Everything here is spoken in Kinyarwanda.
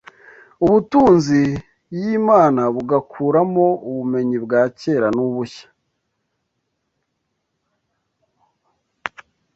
ubutunzi y’Imana bugakuramo ubumenyi bwa kera n’ubushya